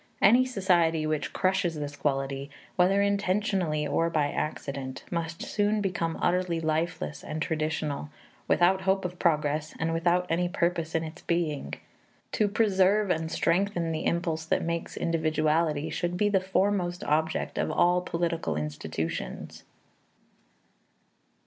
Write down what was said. Any society which crushes this quality, whether intentionally or by accident, must soon become utterly lifeless and traditional, without hope of progress and without any purpose in its being. To preserve and strengthen the impulse that makes individuality should be the foremost object of all political institutions.